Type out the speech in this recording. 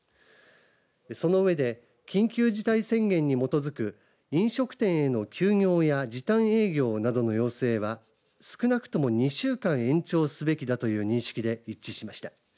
その上で、緊急事態宣言に基づく飲食店への休業や時短営業などの要請は少なくとも２週間延長すべきだという認識で一致しました。